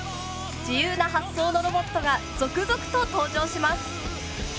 自由な発想のロボットが続々と登場します。